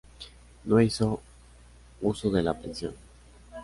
No hizo uso de la pensión.